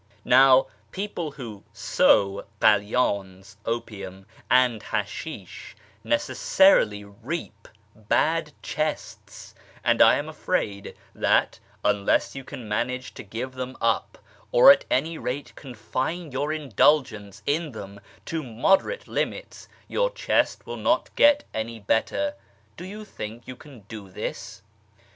"' Now people who ' sow ' kalydns (opium) and hashish necessarily ' reap ' bad chests ; and I am afraid that, unless you can manage to give them up, or at any rate confine your indulg ence in them to moderate limits, your chest will not get any better. Do you think you can do this